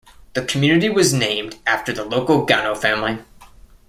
The community was named after the local Gano family.